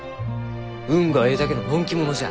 「運がえいだけののんき者じゃ」